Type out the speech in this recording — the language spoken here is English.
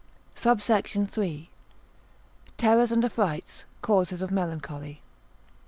SUBSECT. III.—Terrors and Affrights, Causes of Melancholy.